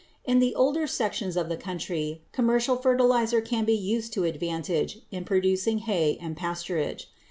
In the older sections of the country commercial fertilizer can be used to advantage in producing hay and pasturage.